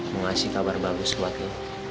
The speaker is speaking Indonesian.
mau ngasih kabar bagus buatmu